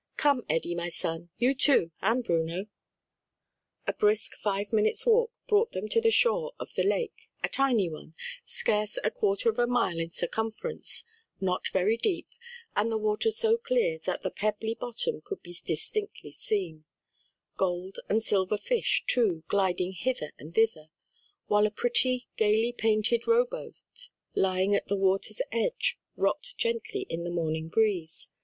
Come, Eddie, my son, you too, and Bruno." A brisk five minutes' walk brought them to the shore of the lake, a tiny one, scarce a quarter of a mile in circumference, not very deep and the water so clear that the pebbly bottom could be distinctly seen; gold and silver fish, too, gliding hither and thither; while a pretty, gayly painted row boat lying at the water's edge, rocked gently in the morning breeze.